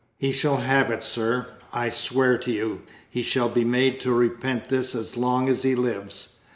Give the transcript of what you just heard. "He shall have it, sir, I swear to you; he shall be made to repent this as long as he lives.